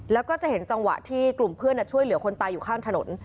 แล้วก็จะเห็นจังหวะที่กลุ่มเพื่อนช่วยเหลือคนตายอยู่ข้างถนน